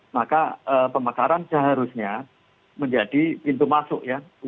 maka pemakaran seharusnya menjadi pintu masuk